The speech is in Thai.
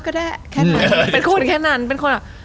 ก็ได้เป็นคนแค่นั้น